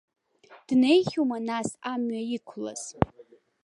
Днеихьоума, нас, амҩа иқәлаз?